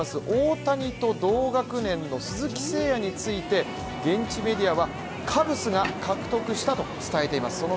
大谷と同学年の鈴木誠也について、現地メディアはカブスが獲得したと伝えています。